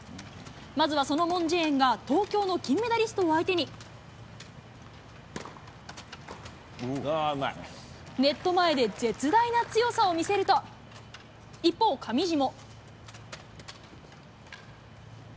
まずはそのモンジェーンが、東京の金メダリストを相手に、ネット前で絶大な強さを見せると、一方、上地も。